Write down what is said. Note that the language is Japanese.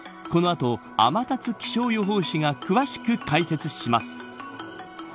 この後、天達気象予報士が詳しく解説します。